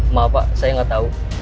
maaf pak saya gak tau